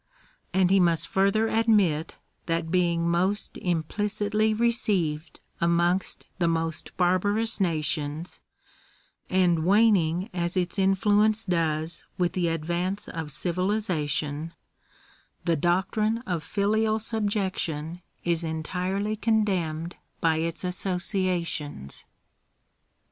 And he must further admit that being most im plicitly received amongst the most barbarous nations, and waning as its influence does with the advance of civilisation, the doctrine of filial subjection is entirely condemned by its associations.